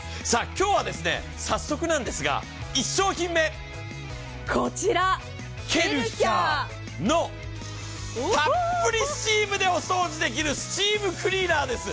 今日は早速なんですが、１商品目。ケルヒャーのたっぷりスチームでお掃除できるスチームクリーナーです。